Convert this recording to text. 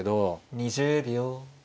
２０秒。